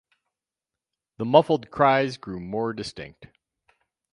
The muffled cries grew more distinct.